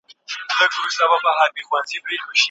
خصوصي سکتور د ټولنیزو مرستو لپاره پلانونه درلودل.